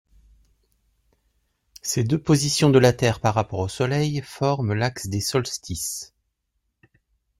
Ces deux positions de la Terre par rapport au Soleil forment l'axe des solstices.